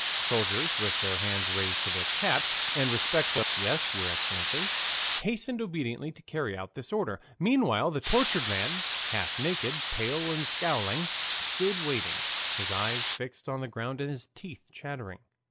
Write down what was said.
Soldiers, with their hands raised to their caps, and respectful murmurs of "Yes, your Excellency," hasten obediently to carry out this order. Meanwhile the tortured man, half naked, pale and scowling, stood waiting, his eyes fixed on the ground and his teeth chattering.